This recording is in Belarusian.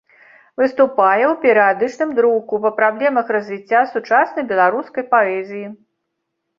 Выступае ў перыядычным друку па праблемах развіцця сучаснай беларускай паэзіі.